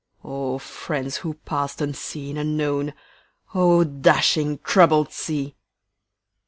O friends who passed unseen, unknown! O dashing, troubled sea!